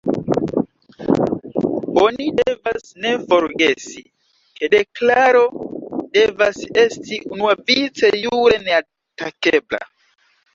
Oni devas ne forgesi, ke deklaro devas esti unuavice jure neatakebla.